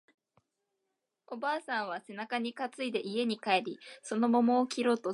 おばあさんは背中に担いで家に帰り、その桃を切ろうとする